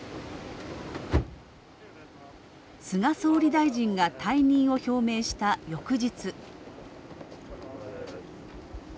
菅総理大臣が退任を表明した翌日。